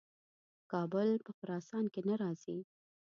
کابل په خراسان کې نه راځي.